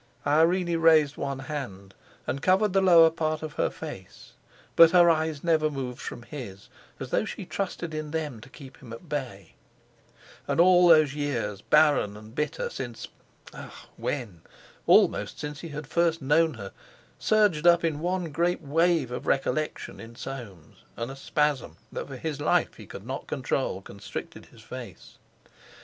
Irene raised one hand and covered the lower part of her face, but her eyes never moved from his, as though she trusted in them to keep him at bay. And all those years, barren and bitter, since—ah! when?—almost since he had first known her, surged up in one great wave of recollection in Soames; and a spasm that for his life he could not control constricted his face.